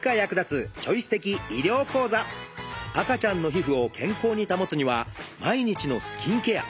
赤ちゃんの皮膚を健康に保つには毎日のスキンケア。